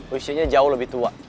usianya jauh lebih tua